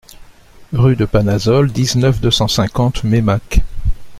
Rue de Panazol, dix-neuf, deux cent cinquante Meymac